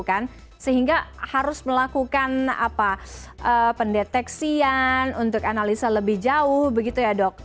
sehingga harus melakukan pendeteksian untuk analisa lebih jauh begitu ya dok